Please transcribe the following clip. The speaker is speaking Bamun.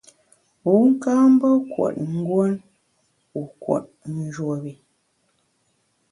Wu ka mbe kùot nguon wu kùot njuop i.